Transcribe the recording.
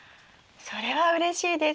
それはうれしいです。